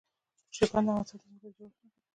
چرګان د افغانستان د ځمکې د جوړښت نښه ده.